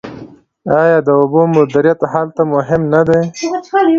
آیا د اوبو مدیریت هلته مهم نه دی؟